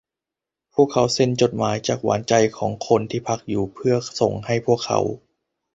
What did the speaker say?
พวกเขาเซ็นจดหมายจากหวานใจของคนที่พักอยู่เพื่อส่งให้พวกเขา